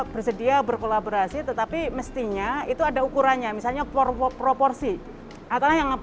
bersedia berkolaborasi tetapi mestinya itu ada ukurannya misalnya proporsi atau yang